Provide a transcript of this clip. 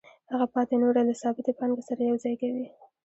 هغه پاتې نوره له ثابتې پانګې سره یوځای کوي